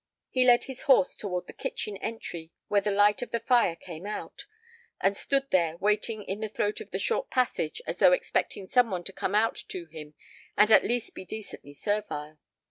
He led his horse toward the kitchen entry whence the light of the fire came out, and stood there waiting in the throat of the short passageway, as though expecting some one to come out to him and at least be decently servile.